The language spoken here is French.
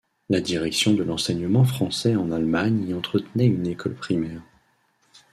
La Direction de l'enseignement français en Allemagne y entretenait une école primaire.